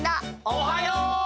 おはよう！